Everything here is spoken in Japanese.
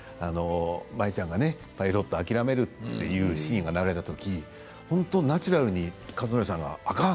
舞ちゃんがパイロットを諦めるというシーンが流れた時本当にナチュラルに克典さんが、あかん！